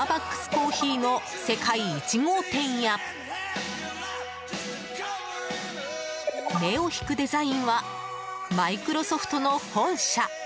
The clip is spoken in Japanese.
コーヒーの世界１号店や目を引くデザインはマイクロソフトの本社。